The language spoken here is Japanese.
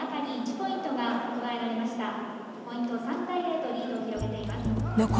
ポイント３対０とリードを広げています」。